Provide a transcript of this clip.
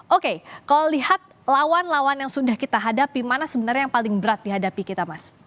oke kalau lihat lawan lawan yang sudah kita hadapi mana sebenarnya yang paling berat dihadapi kita mas